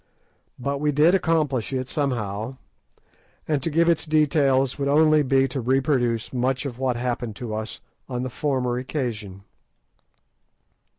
But we did accomplish it somehow, and to give its details would only be to reproduce much of what happened to us on the former occasion.